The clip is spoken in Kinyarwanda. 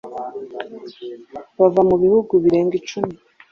bava mu bihugu birenga icumi